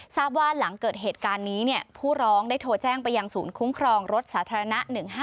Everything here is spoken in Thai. ทราบว่าหลังเกิดเหตุการณ์นี้ผู้ร้องได้โทรแจ้งไปยังศูนย์คุ้มครองรถสาธารณะ๑๕๗